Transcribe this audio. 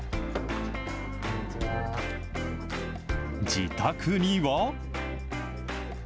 自宅には。